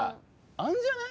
「あるんじゃない？